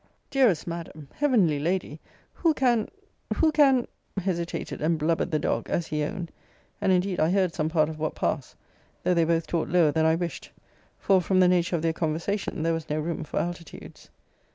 Dearest Madam! Heavenly Lady! Who can who can hesitated and blubbered the dog, as he owned. And indeed I heard some part of what passed, though they both talked lower than I wished; for, from the nature of their conversation, there was no room for altitudes.